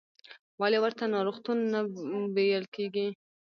ولې ورته ناروغتون نه ویل کېږي؟